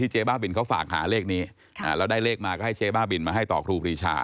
เจ๊บ้าบิลคือแม้ค้าขายสลากกินแบบรัฐบาล